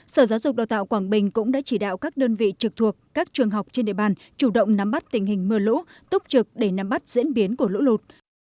sở giáo dục đào tạo quảng bình cũng đã chỉ đạo các đơn vị trực thuộc các trường học trên địa bàn chủ động nắm bắt tình hình mưa lũ túc trực để nắm bắt diễn biến của lũ lụt